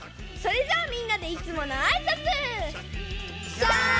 それじゃあみんなでいつものあいさつ！